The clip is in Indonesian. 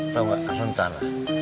tau nggak asal asal